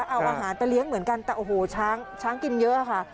เอาอาหารไปเลี้ยงเหมือนกันแต่โอ้โหช้างช้างกินเยอะค่ะ